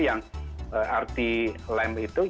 yang arti lem itu